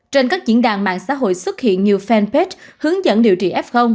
trên các diễn đàn mạng xã hội xuất hiện nhiều fanpage hướng dẫn điều trị f